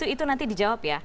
itu nanti dijawab ya